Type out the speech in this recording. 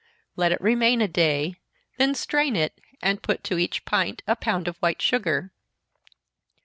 Let it remain a day then strain it, and put to each pint a pound of white sugar.